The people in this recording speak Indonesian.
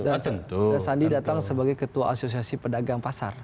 dan sandi datang sebagai ketua asosiasi pedagang pasar